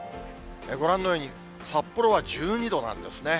ご覧のように、札幌は１２度なんですね。